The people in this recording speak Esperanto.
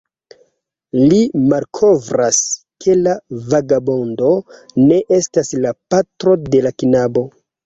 Li malkovras, ke la vagabondo ne estas la patro de la knabo.